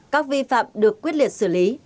các vi phạm được quyết liệt xử lý